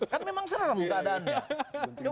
kan memang serem keadaannya